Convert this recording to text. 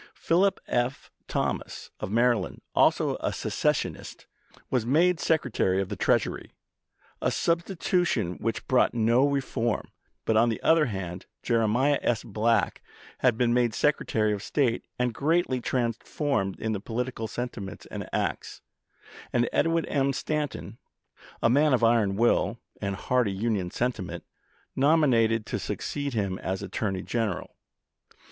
Philip F. Thomas, of Maryland, also a secessionist, was made Secre tary of the Treasury, a substitution which brought no reform ; but on the other hand Jeremiah S. Black had been made Secretary of State, and greatly trans formed in his political sentiments and acts, and Edwin M. Stanton, a man of iron will and hearty Union sentiment, nominated to succeed him as Attorney General.